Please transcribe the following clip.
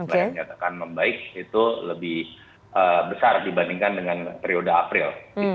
saya menyatakan membaik itu lebih besar dibandingkan dengan periode april